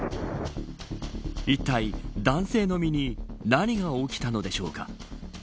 いったい男性の身に何が起きたのでしょうか。